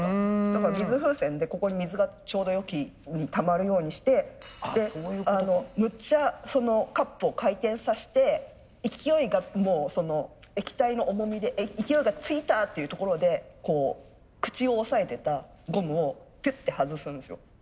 だから水風船でここに水がちょうどよきにたまるようにしてむっちゃそのカップを回転させて勢いが液体の重みで勢いがついたっていうところで口を押さえてたゴムをピュッて外すんですよ。